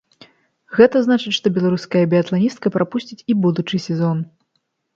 Гэта значыць, што беларуская біятланістка прапусціць і будучы сезон.